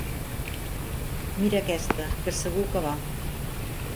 Mira aquesta que segur que va.